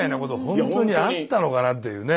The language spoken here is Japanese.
本当にあったのかなっていうね。